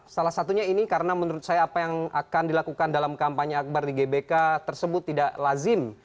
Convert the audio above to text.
salah satunya ini karena menurut saya apa yang akan dilakukan dalam kampanye akbar di gbk tersebut tidak lazim